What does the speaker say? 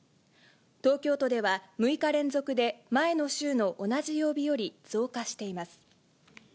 東京都では６日連続で、前の週の同じ曜日より増加しています。